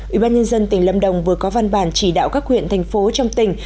ủy ban nhân dân tỉnh lâm đồng vừa có văn bản chỉ đạo các huyện thành phố trong tỉnh